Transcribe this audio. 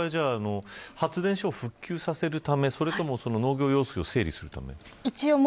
発電所を復旧させるためそれとも農業用水を整理するためでしょうか。